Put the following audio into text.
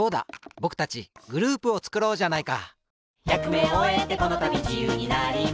ぼくたちグループをつくろうじゃないか！